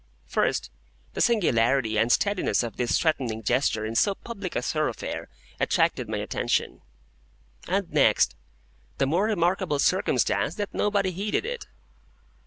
First, the singularity and steadiness of this threatening gesture in so public a thoroughfare attracted my attention; and next, the more remarkable circumstance that nobody heeded it.